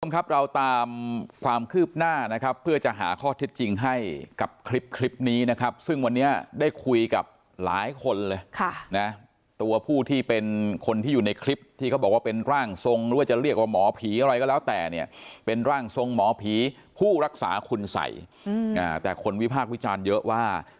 ครับเราตามความคืบหน้านะครับเพื่อจะหาข้อเท็จจริงให้กับคลิปคลิปนี้นะครับซึ่งวันนี้ได้คุยกับหลายคนเลยค่ะนะตัวผู้ที่เป็นคนที่อยู่ในคลิปที่เขาบอกว่าเป็นร่างทรงหรือว่าจะเรียกว่าหมอผีอะไรก็แล้วแต่เนี่ยเป็นร่างทรงหมอผีผู้รักษาคุณสัยแต่คนวิพากษ์วิจารณ์เยอะว่า